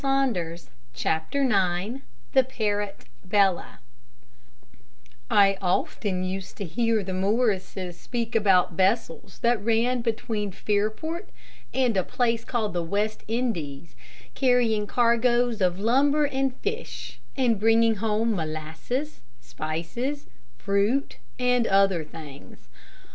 CHAPTER IX THE PARROT BELLA I often used to hear the Morrises speak about vessels that ran between Fairport and a place called the West Indies, carrying cargoes of lumber and fish, and bringing home molasses, spices, fruit, and other things.